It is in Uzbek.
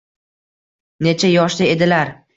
Necha yoshda edilar?